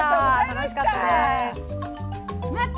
楽しかったです。